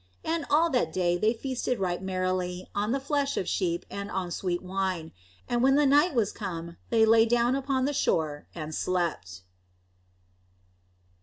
And all that day they feasted right merrily on the flesh of sheep and on sweet wine, and when the night was come, they lay down upon the shore and slept.